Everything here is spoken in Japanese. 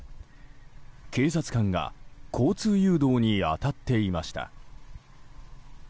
警察官が交通誘導に当たっていました。